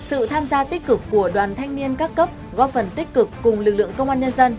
sự tham gia tích cực của đoàn thanh niên các cấp góp phần tích cực cùng lực lượng công an nhân dân